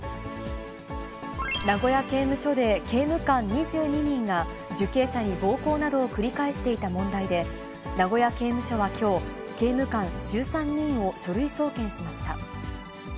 名古屋刑務所で刑務官２２人が、受刑者に暴行などを繰り返していた問題で、名古屋刑務所はきょう、刑務官１３人を書類送検しました。